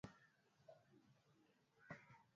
Ananipa wasiwasi